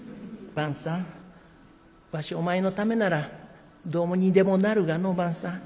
番頭さんわしお前のためならどうにでもなるがのう番頭さん。